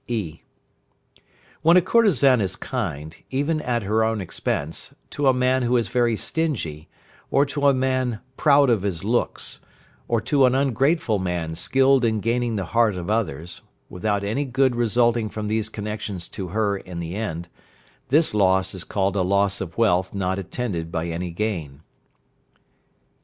(e). When a courtesan is kind, even at her own expense, to a man who is very stingy, or to a man proud of his looks, or to an ungrateful man skilled in gaining the heart of others, without any good resulting from these connections to her in the end, this loss is called a loss of wealth not attended by any gain.